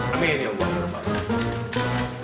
amin ya allah